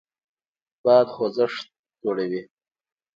باد خوځښت جوړوي.